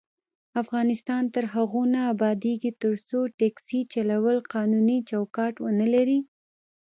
افغانستان تر هغو نه ابادیږي، ترڅو ټکسي چلول قانوني چوکاټ ونه لري.